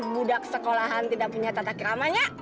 budak sekolahan tidak punya tata keramanya